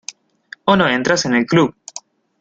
o no entras en el club.